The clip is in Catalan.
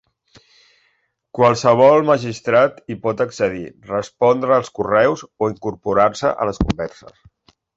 Qualsevol magistrat hi pot accedir, respondre als correus o incorporar-se a les converses.